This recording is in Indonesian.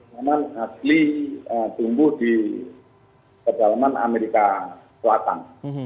memang asli tumbuh di kedalaman amerika selatan